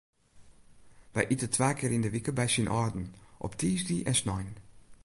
Wy ite twa kear yn de wike by syn âlden, op tiisdei en snein.